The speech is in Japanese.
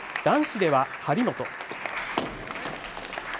男子では張本。